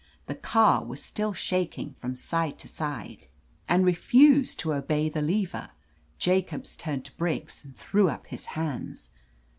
The car was 140 J OF LETITIA CARBERRY still shaking from side to side, and refused to obey the lever. Jacobs turned to Briggs and threw up his hands.